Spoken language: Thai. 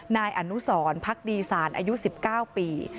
นายอันทุศรภัคดีสารที่๑๙ปี